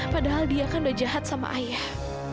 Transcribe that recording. padahal dia kan udah jahat sama ayah